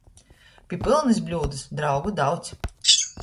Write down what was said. Pi pylnys bļūdys draugu daudz.